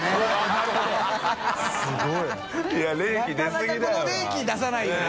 覆覆この冷気出さないよな。